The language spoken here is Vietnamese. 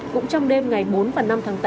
cũng trong đêm ngày bốn và năm tháng tám